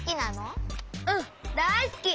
うんだいすき！